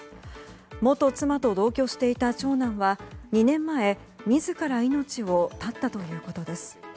元妻と同居していた長男は２年前、自ら命を絶ったということです。